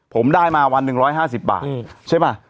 ผมได้มาวัน๑๕๐บาทใช่ป่ะ